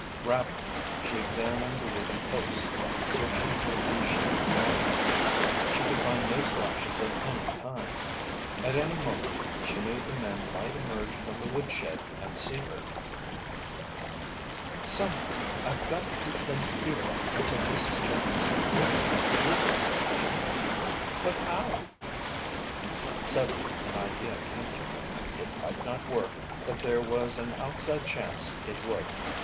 Rapidly she examined the wooden posts, searching for a V shaped mark. She could find no slashes of any kind. At any moment she knew the men might emerge from the woodshed and see her. "Somehow I've got to keep them here until Mrs. Jones brings the police!" she thought. "But how?" Suddenly an idea came to her. It might not work, but there was an outside chance it would.